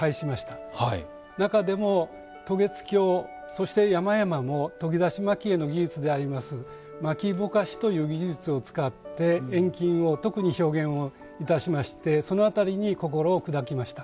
中でも渡月橋そして山々も研ぎ出し蒔絵の技術であります蒔ぼかしという技術を使って遠近を特に表現をいたしましてその辺りに心を砕きました。